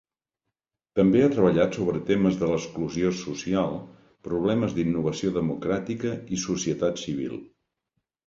També ha treballat sobre temes de l'exclusió social, problemes d'innovació democràtica i societat civil.